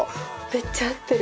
めっちゃ合ってる。